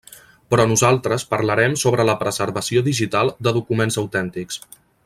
Però nosaltres parlarem sobre la preservació digital de documents autèntics.